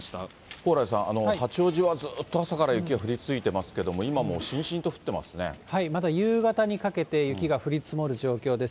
蓬莱さん、八王子はずっと朝から雪が降り続いていますけれども、まだ夕方にかけて雪が降り積もる状況です。